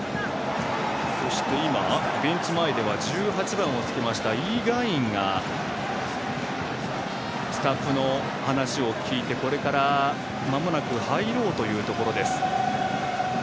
そして、今ベンチ前では１８番をつけましたイ・ガンインがスタッフの話を聞いてこれからまもなく入ろうというところです。